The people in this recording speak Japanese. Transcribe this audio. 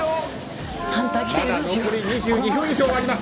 まだ残り２２分以上あります。